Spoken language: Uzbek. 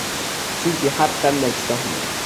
Chunki har qanday kitobni